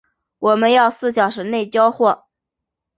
我们要四小时内交货